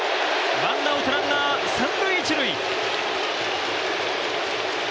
ワンアウトランナー三塁、一塁。